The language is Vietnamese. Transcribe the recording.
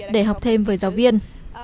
để học thêm với giáo viên